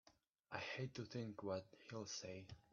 I hate to think what he'll say!